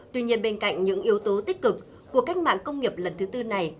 tuy nhiên bên cạnh những yếu tố tích cực của cách mạng công nghiệp lần thứ tư này